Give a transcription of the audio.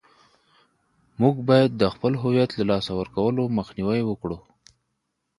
موږ باید د خپل هویت له لاسه ورکولو مخنیوی وکړو.